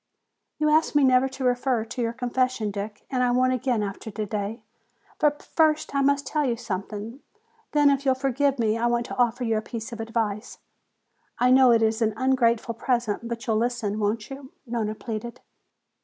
"You asked me never to refer to your confession, Dick, and I won't again after today. But first I must tell you something. Then if you'll forgive me I want to offer you a piece of advice. I know it is an ungrateful present, but you'll listen, won't you?" Nona pleaded.